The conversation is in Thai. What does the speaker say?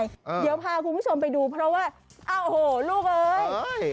เดี๋ยวพาคุณผู้ชมไปดูเพราะว่าโอ้โหลูกเอ้ย